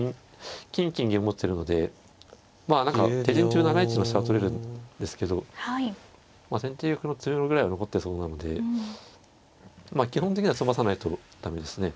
金金金銀持ってるのでまあ何か手順中７一の飛車は取れるんですけど先手玉の詰めろぐらいは残ってそうなのでまあ基本的には詰まさないと駄目ですね。